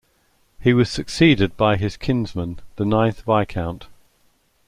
He was succeeded by his kinsman, the ninth Viscount.